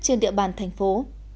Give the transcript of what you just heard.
trên địa bàn thành phố